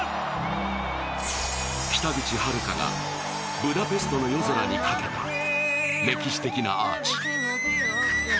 北口榛花がブダペストの夜空にかけた歴史的なアーチ。